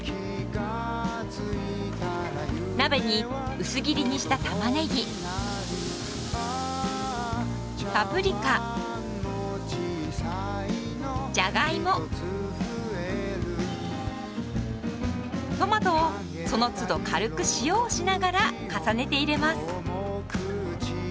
鍋に薄切りにしたたまねぎパプリカジャガイモトマトをそのつど軽く塩をしながら重ねて入れます。